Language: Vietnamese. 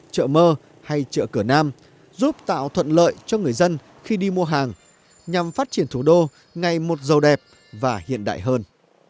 chợ mơ hay chợ cửa nam giúp tạo thuận lợi cho người dân khi đi mua hàng nhằm phát triển thủ đô ngày một giàu đẹp và hiện đại hơn